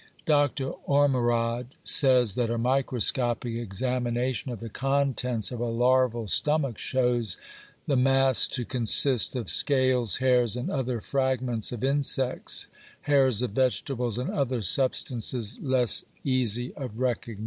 Dr. Ormerod says that a microscopic examination of the contents of a larval stomach shows "the mass to consist of scales, hairs and other fragments of insects, hairs of vegetables and other substances less easy of recognition."